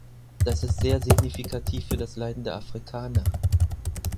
Das ist sehr signifikativ für das Leiden der Afrikaner.